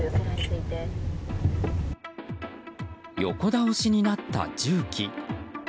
横倒しになった重機。